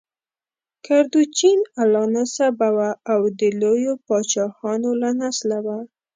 کردوچین اعلی نسبه وه او د لویو پاچاهانو له نسله وه.